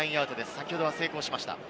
先ほどは成功しました。